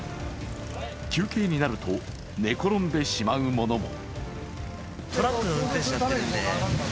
休憩になると寝転んでしまう者も。